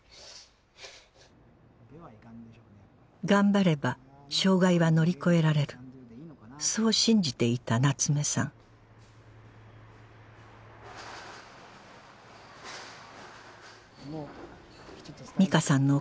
頑張れば障害は乗り越えられるそう信じていた夏目さん